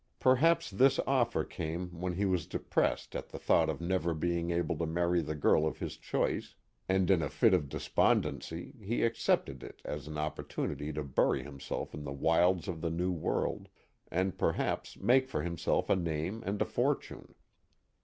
Perhaps this offer came when he was depressed at the thought of never being able to marry the girl of his choice, and in a fit of despon dency he accepted it as an opportunity to bury himself in the wilds of the New World, and perhaps make for himself a name and a fortune.